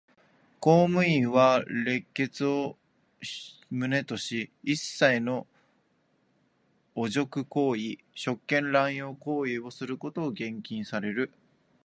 公務員は廉潔を旨とし、一切の汚辱行為、職権濫用行為をすることを厳禁される。